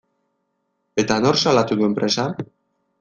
Eta nork salatu du enpresa?